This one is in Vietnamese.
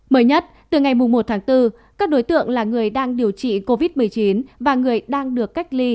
mới nhất từ ngày một tháng bốn các đối tượng là người đang điều trị covid một mươi chín và người đang được cách ly